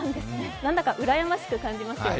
なんだかうらやましく感じますよね。